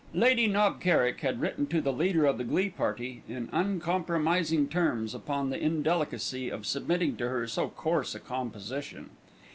Lady Knob Kerrick had written to the leader of the glee party in uncompromising terms upon the indelicacy of submitting to her so coarse a composition.